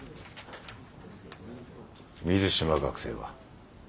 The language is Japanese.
水島学生は？